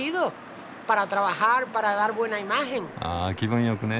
あ気分よくね。